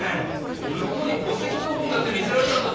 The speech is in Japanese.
向こうに戸籍謄本だって見せられたんだぞ。